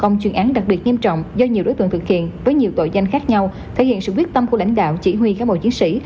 nguyên trọng do nhiều đối tượng thực hiện với nhiều tội danh khác nhau thể hiện sự quyết tâm của lãnh đạo chỉ huy các bộ chiến sĩ